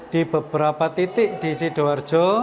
di beberapa titik di sidoarjo